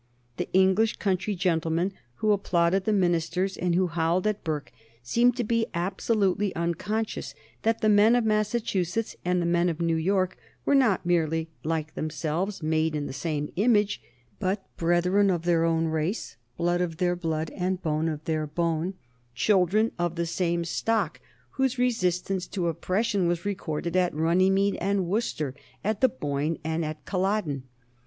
The English country gentlemen who applauded the ministers and who howled at Burke seemed to be absolutely unconscious that the men of Massachusetts and the men of New York were not merely like themselves made in the same image, but brethren of their own race, blood of their blood and bone of their bone, children of the same stock whose resistance to oppression was recorded at Runnymede and Worcester, at the Boyne and at Culloden.